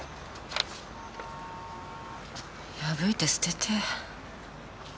破いて捨てて。